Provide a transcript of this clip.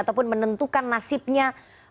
ataupun menentukan nasibnya